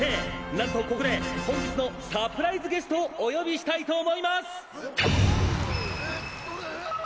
なんとここで本日のサプライズゲストをお呼びしたいと思います！っ！